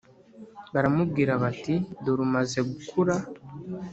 baramubwira bati dore umaze gukura